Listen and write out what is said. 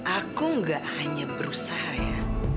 aku gak hanya berusaha ya